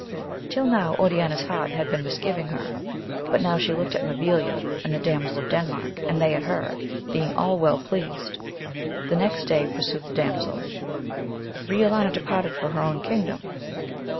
Till now Oriana's heart had been misgiving her, but now she looked at Mabilia and the Damsel of Denmark, and they at her, being all well pleased ; the next day pursued the damsel, Briolania departed for her own kingdom.